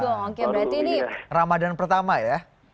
oke berarti ini ramadan pertama ya